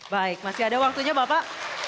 baik masih ada waktunya bapak